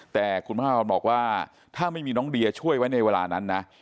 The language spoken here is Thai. แต่คุณพระพรบอกว่าถ้าไม่มีน้องเดียช่วยไว้ในเวลานั้นนะ